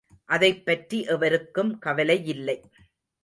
அதைப்பற்றி எவருக்கும் கவலையில்லை.